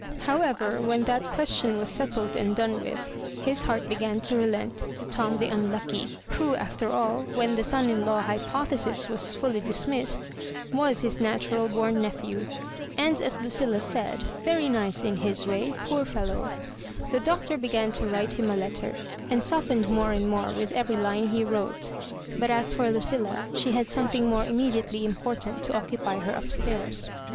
How ever, when that question was settled and done with, his heart began to relent to Tom the un lucky, who after afi, when the son in law hypo thesis was fully dismissed, was his natural bom nephew, and, as LuciUa said, very nice in his way, poor fellow 1 The Doctor began to write him a letter, and softened more and more with every Ime he wrote ; but as for Lucilla, she had something more immediately Important to occu py her up stairs.